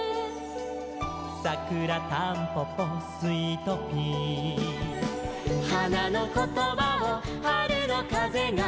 「さくらたんぽぽスイトピー」「花のことばを春のかぜが」